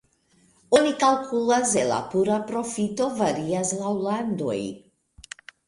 Oni kalkulas el la pura profito, varias laŭ landoj.